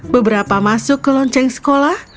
beberapa masuk ke lonceng sekolah